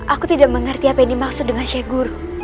aku tidak mengerti apa yang dimaksud dengan sheikh guru